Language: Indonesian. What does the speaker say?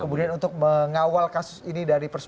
kemudian untuk mengawal kasus ini dari